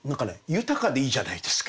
豊かでいいじゃないですか。